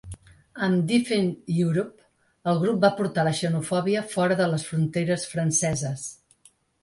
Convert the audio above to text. Amb ‘Defend Europe’, el grup va portar la xenofòbia fora de les fronteres franceses.